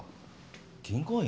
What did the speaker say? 銀行員？